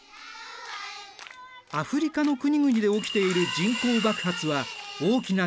アフリカの国々で起きている人口爆発は大きな原因の一つだ。